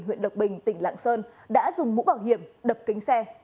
huyện lộc bình tỉnh lạng sơn đã dùng mũ bảo hiểm đập kính xe